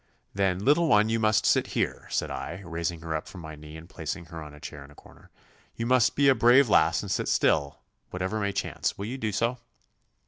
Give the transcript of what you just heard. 'Then, little one, you must sit here,' said I, raising her up from my knee and placing her on a chair in a corner. 'You must be a brave lass and sit still, whatever may chance. Will you do so?